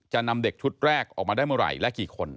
จะนำเด็กชุดแรกออกมาได้เมื่อไหร่และกี่คน